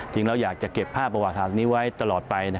เราอยากจะเก็บภาพประวัติศาสตร์นี้ไว้ตลอดไป